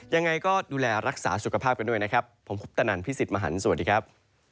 ยังไงก็ดูแลรักษาสุขภาพกันด้วยนะครับผมคุปตนันพี่สิทธิ์มหันฯสวัสดีครับ